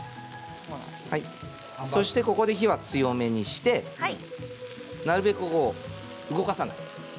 ここで火を強めにしてなるべく動かさない。